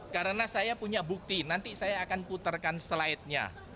karena saya punya bukti nanti saya akan putarkan slide nya